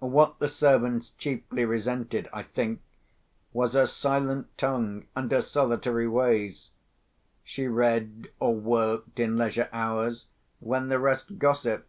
What the servants chiefly resented, I think, was her silent tongue and her solitary ways. She read or worked in leisure hours when the rest gossiped.